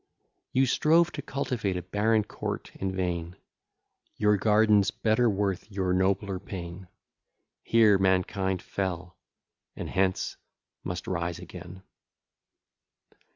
You strove to cultivate a barren court in vain, Your garden's better worth your nobler pain, Here mankind fell, and hence must rise again.